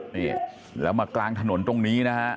นี่แล้วมากลางถนนตรงนี้นะฮะ